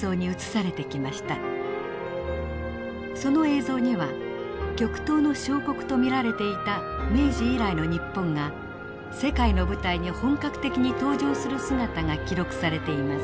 その映像には極東の小国と見られていた明治以来の日本が世界の舞台に本格的に登場する姿が記録されています。